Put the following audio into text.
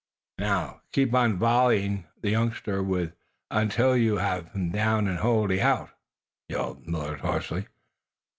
"Now, keep on volleying the youngster with until you have him down and wholly out!" yelled Millard, hoarsely.